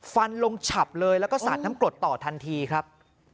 ฟันลงฉับเลยแล้วก็สาดน้ำกรดต่อทันทีครับ